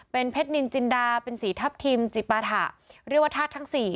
เป็นเพชรนินจินดาเป็นสีทัพทิมจิปาถะเรียกว่าธาตุทั้งสี่